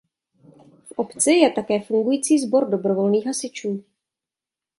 V obci je také fungující sbor dobrovolných hasičů.